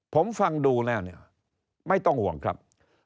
ผมฟังดูแล้วเนี่ยไม่ต้องห่วงครับ